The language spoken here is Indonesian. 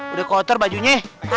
udah kotor bajunya